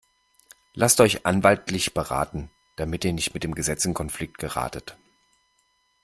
Lasst euch anwaltlich beraten, damit ihr nicht mit dem Gesetz in Konflikt geratet.